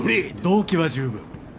動機は十分。